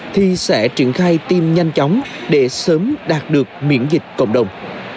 thì sẽ triển khai tiêm nhanh chóng để sớm đạt được miễn dịch cộng đồng